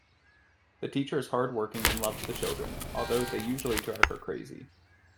The teacher is hard-working and loves the children, although they usually drive her crazy.